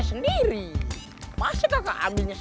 hajar ya bos